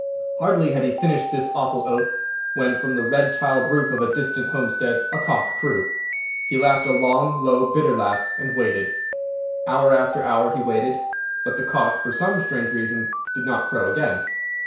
Hardly had he finished this awful oath when, from the red tiled roof of a distant homestead, a cock crew. He laughed a long, low, bitter laugh, and waited. Hour after hour he waited, but the cock, for some strange reason, did not crow again.